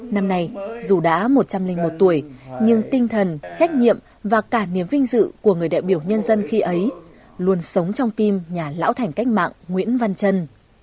năm nay dù đã một trăm linh một tuổi nhưng tinh thần trách nhiệm và cả niềm vinh dự của người đại biểu nhân dân khi ấy luôn sống trong tim nhà lão thành cách mạng nguyễn văn trân